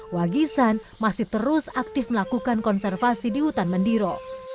wagisan masih terus aktif melakukan konservasi di hutan mendiro